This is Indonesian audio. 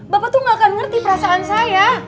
bapak tuh gak akan ngerti perasaan saya